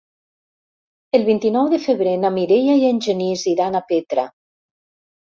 El vint-i-nou de febrer na Mireia i en Genís iran a Petra.